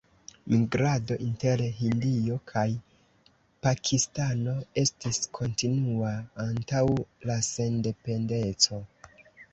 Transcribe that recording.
Migrado inter Hindio kaj Pakistano estis kontinua antaŭ la sendependeco.